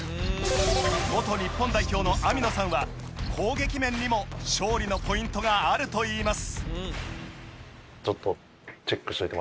元日本代表の網野さんは攻撃面にも勝利のポイントがあるといいます。